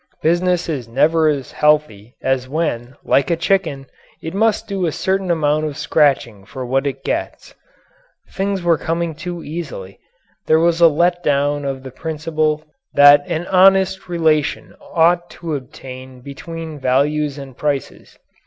Business is never as healthy as when, like a chicken, it must do a certain amount of scratching for what it gets. Things were coming too easily. There was a let down of the principle that an honest relation ought to obtain between values and prices.